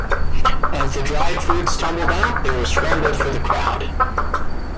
As the dried fruits tumbled out, they were scrambled for by the crowd.